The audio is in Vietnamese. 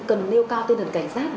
cần nêu cao tinh thần cảnh giác